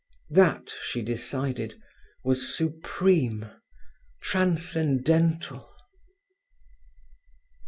That, she decided, was supreme, transcendental.